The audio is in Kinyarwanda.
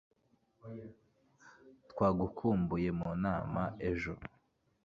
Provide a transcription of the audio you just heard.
twagukumbuye mu nama ejo